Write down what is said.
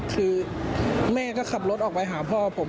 คือแม่ก็ขับรถออกไปหาพ่อผม